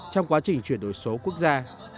trong quá trình chuyển đổi số quốc gia